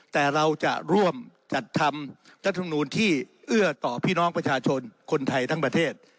แต่เราจะร่วมจัดทำรัฐมนูลที่เอื้อต่อพี่น้องประชาชนคนไทยทั้งประเทศ